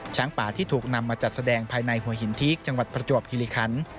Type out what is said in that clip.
ช้างป่าที่ถูกนำมาจัดแสดงภายในหัวหินทีกจังหวัดประจวบคิริคัน